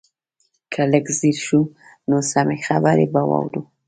که لږ ځير شو نو سمې خبرې به واورو.